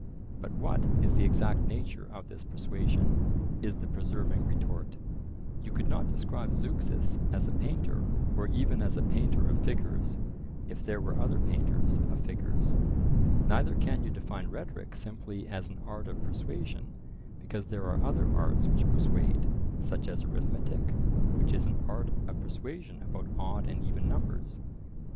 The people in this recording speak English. But what is the exact nature of this persuasion?—is the persevering retort: You could not describe Zeuxis as a painter, or even as a painter of figures, if there were other painters of figures; neither can you define rhetoric simply as an art of persuasion, because there are other arts which persuade, such as arithmetic, which is an art of persuasion about odd and even numbers.